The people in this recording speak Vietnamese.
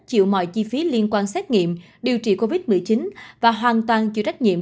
chịu mọi chi phí liên quan xét nghiệm điều trị covid một mươi chín và hoàn toàn chịu trách nhiệm